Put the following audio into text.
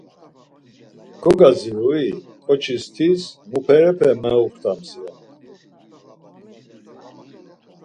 Kogadzirui, ǩoçis tis muperepe meuxtams, ya.